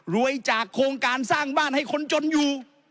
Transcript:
จากโครงการสร้างบ้านให้คนจนอยู่